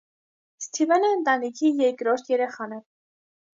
Սթիվենը ընտանիքի երկրորդ երեխան է։